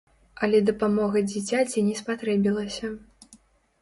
Але дапамога дзіцяці не спатрэбілася.